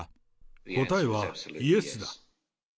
答えはイエスだ。